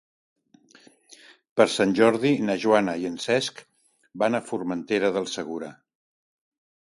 Per Sant Jordi na Joana i en Cesc van a Formentera del Segura.